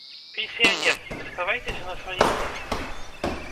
Пенсіянеркі, заставайцеся на сваіх месцах!